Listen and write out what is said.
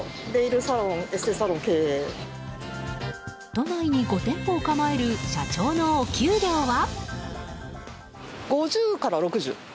都内に５店舗を構える社長のお給料は？